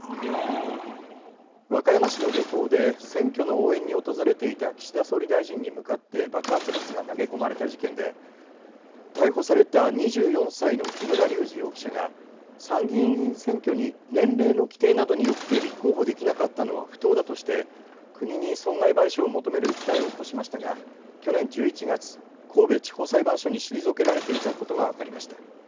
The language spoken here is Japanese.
和歌山市の漁港で選挙の応援に訪れていた岸田総理大臣に向かって爆発物が投げ込まれた事件で逮捕された２４歳の木村隆二容疑者が参議院議員選挙に年齢の規定などによって立候補できなかったのは不当だとして国に損害賠償を求める訴えを起こしましたが去年１１月、神戸地方裁判所に退けられていたことが分かりました。